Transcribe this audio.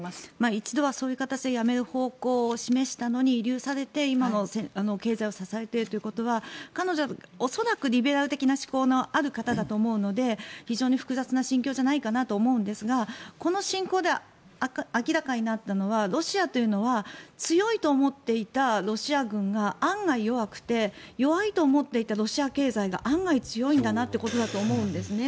一度はそういう形で辞める方向を示したのに慰留されて、今も経済を支えているということは彼女は恐らくリベラル的な思考のある方だと思うので非常に複雑な心境じゃないかなと思うんですがこの侵攻で明らかになったのはロシアというのは強いと思っていたロシア軍が案外、弱くて弱いと思っていたロシア経済が案外強いんだなということだと思うんですね。